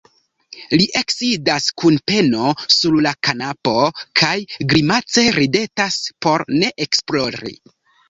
Li eksidas kun peno sur la kanapo kaj grimace ridetas por ne ekplori.